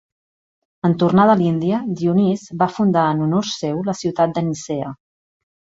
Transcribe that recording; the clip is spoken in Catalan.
En tornar de l'Índia, Dionís va fundar en honor seu la ciutat de Nicea.